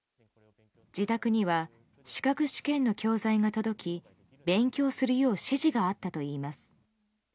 自宅には資格試験の教材が届き勉強するよう指示があったといいます。